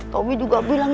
tobi juga bilang